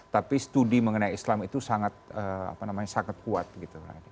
tapi studi mengenai islam itu sangat apa namanya sangat kuat gitu